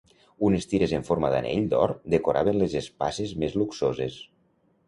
Unes tires en forma d'anell d'or decoraven les espases més luxoses.